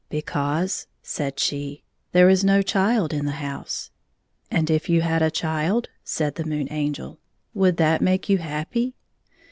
"Because," said she, "there is no child in the house." " And if you had a child," said the Moon Angel, "would that make you happy?"